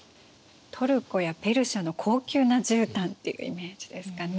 トルコやペルシャの高級なじゅうたんっていうイメージですかね。